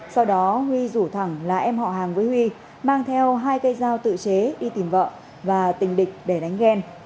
sau đó huy rủ thẳng là em họ hàng với huy mang theo hai cây dao tự chế đi tìm vợ và tình địch để đánh ghen